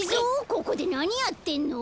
ここでなにやってんの？